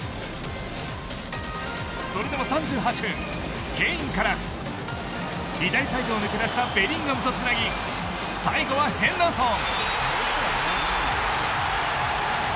それでも３８分ケインから左サイドを抜け出したベリンガムとつなぎ最後はヘンダーソン。